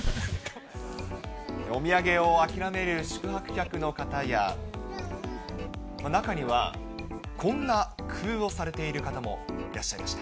お土産を諦める宿泊客の方や、中には、こんな工夫をされている方もいらっしゃいました。